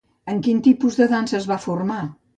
En quin tipus de dansa es va formar?